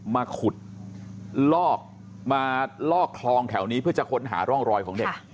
มาขุดลอกมาลอกคลองแถวนี้เพื่อจะค้นหาร่องรอยของเด็ก